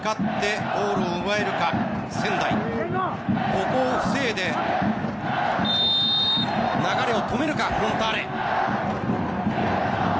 ここを防いで流れを止めるかフロンターレ。